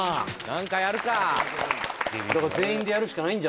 ・何かやるか！